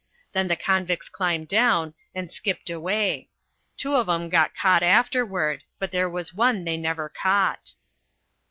Then the convicts climbed down and skipped away. Two of 'em got caught afterward, but there was one they never caught."